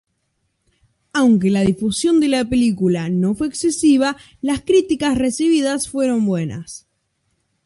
Aunque la difusión de la película no fue excesiva, las críticas recibidas fueron buenas.